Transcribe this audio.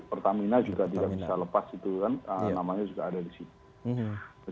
pertamina juga tidak bisa lepas itu kan namanya juga ada di situ